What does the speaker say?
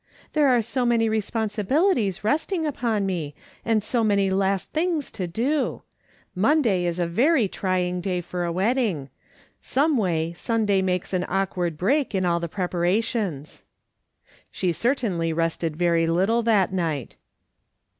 " There are so many responsibilities resting upon me, and so many last things to do ! Monday is a very trying day for a wedding. Some way, Sunday makes an awkward break in all the prepara tions." She certainly rested very little that night.